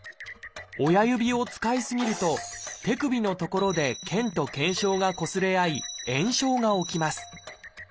親指を使い過ぎると手首の所で腱と腱鞘がこすれ合い炎症が起きます。